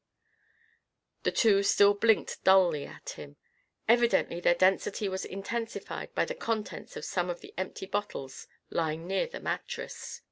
The two still blinked dully at him. Evidently their density was intensified by the contents of some of the empty bottles lying near the mattress.